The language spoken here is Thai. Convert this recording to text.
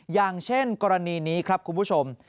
อย่างเช่นกรณีนี้ครับคุณผู้ชม